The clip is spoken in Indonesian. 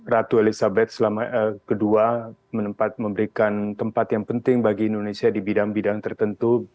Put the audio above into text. ratu elizabeth ii memberikan tempat yang penting bagi indonesia di bidang bidang tertentu